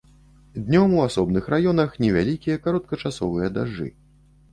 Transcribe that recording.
Днём у асобных раёнах невялікія кароткачасовыя дажджы.